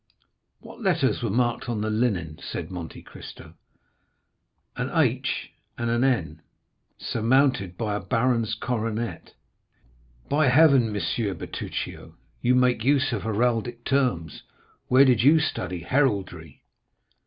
"What letters were marked on the linen?" said Monte Cristo. "An H and an N, surmounted by a baron's coronet." "By heaven, M. Bertuccio, you make use of heraldic terms; where did you study heraldry?"